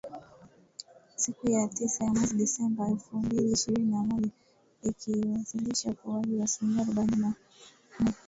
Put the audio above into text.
siku ya tisa mwezi Disemba elfu mbili ishirini na moja, ikiwasilisha ukuaji wa asilimia arobaini na nne